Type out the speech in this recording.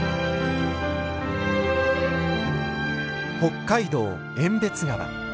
北海道遠別川。